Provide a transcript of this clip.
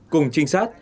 cùng trinh sát